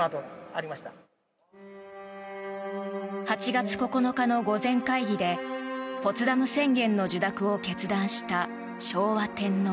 ８月９日の御前会議でポツダム宣言の受諾を決断した昭和天皇。